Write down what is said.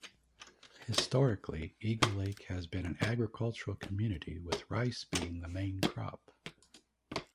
Historically, Eagle Lake has been an agricultural community, with rice being the main crop.